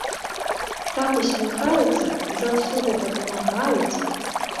Так усміхаюцца, заўсёды дапамагаюць!